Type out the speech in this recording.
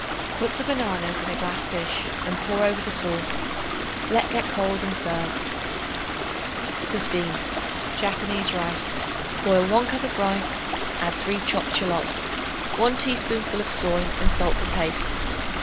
Put the bananas in a glass dish and pour over the sauce. Let get cold and serve. 15. Japanese Rice. Boil 1 cup of rice; add 3 chopped shallots, 1 teaspoonful of soy and salt to taste.